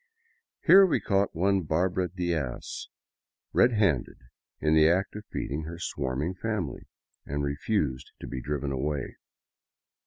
Here we caught one Barbara Diaz red handed in the act of feeding her swarming family, and refused to be driven away.